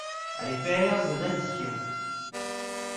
Allez faire vos additions !